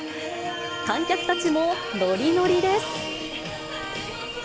観客たちもノリノリです。